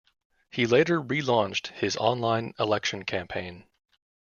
He later re-launched his online election campaign.